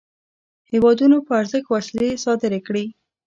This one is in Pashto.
هیوادونو په ارزښت وسلې صادري کړې.